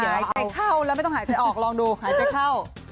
หายใจเข้าแล้วไม่ต้องหายใจออกลองดูหายใจเข้า